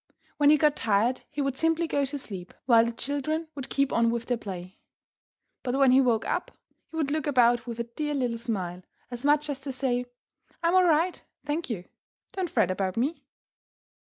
When he got tired he would simply go to sleep, while the children would keep on with their play. But when he woke up, he would look about with a dear little smile, as much as to say: "I'm all right, thank you, don't fret about me."